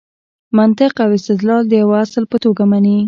منطق او استدلال د یوه اصل په توګه مني.